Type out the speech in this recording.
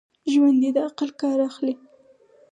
ژوندي د عقل کار اخلي